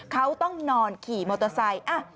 เขาต้องนอนขี่มอเตอร์ไซค์